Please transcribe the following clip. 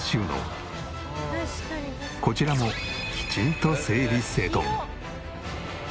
こちらもきちんと整理整頓。